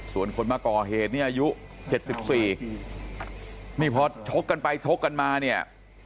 ส่วนคนมากอเหตุพ่อก็อายุ๗๔พ่อโชคกันไปโชคกันมาเนี่ย